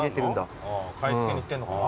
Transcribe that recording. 買い付けに行ってんのかな？